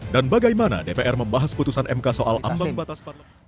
dan bagaimana dpr membahas putusan mk soal ambang batas parlamen